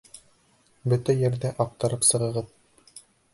Бөтә ерҙе аҡтарып сығығыҙ...